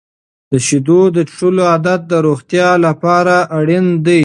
د شیدو د څښلو عادت د روغتیا لپاره اړین دی.